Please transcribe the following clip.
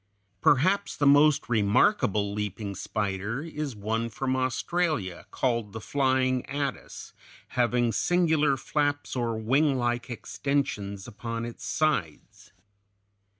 Perhaps the most remarkable leaping spider is one from Australia, called the flying Attus, having singular flaps or winglike extensions upon its sides.